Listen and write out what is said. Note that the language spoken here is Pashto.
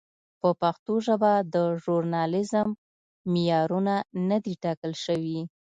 په پښتو ژبه د ژورنالېزم معیارونه نه دي ټاکل شوي.